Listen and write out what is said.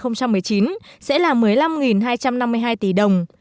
tổng chi phí đội lên năm hai nghìn một mươi chín sẽ là một mươi năm hai trăm năm mươi hai tỷ đồng